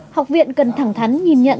học viện cần thẳng thắn nhìn nhận